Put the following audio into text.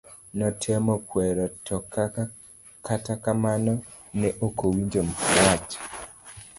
Notem kwere to kata kamano ne okowinjo wach.